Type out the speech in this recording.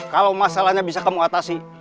kalau masalahnya bisa kamu atasi